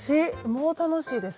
もう楽しいです。